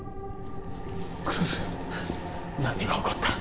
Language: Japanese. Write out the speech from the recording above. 黒須何が起こった？